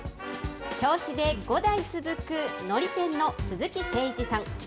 ５代続くのり店の鈴木清一さん。